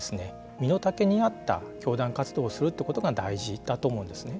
身の丈にあった教団活動をするということが大事だと思うんですよね。